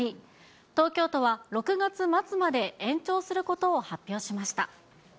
東京都は６月末まで延長することを発表しました。